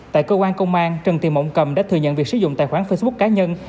tại cơ quan công an trần thị mộng cầm đã thừa nhận việc sử dụng tài khoản facebook cá nhân